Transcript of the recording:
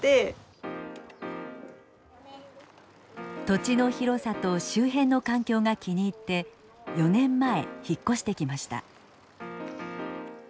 土地の広さと周辺の環境が気に入って４年前引っ越してきました。